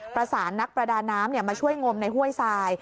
ประสานนักประดาน้ำมาช่วยงมในห้วยทราย